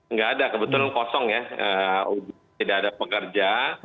nggak ada kebetulan kosong ya tidak ada pekerja